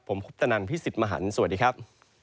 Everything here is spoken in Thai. ผมพุทธนันพิสิทธิ์มหันภ์สวัสดีครับ